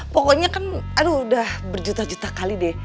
pokoknya kan aduh udah berjuta juta kali deh